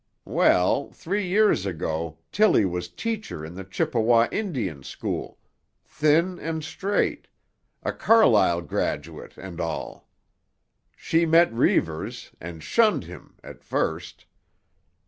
Well, three years ago Tilly was teacher in the Chippewa Indian School—thin and straight—a Carlisle graduate and all. She met Reivers, and shunned him—at first.